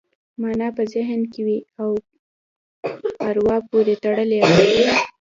مانا په ذهن کې وي او په اروا پورې تړلې ده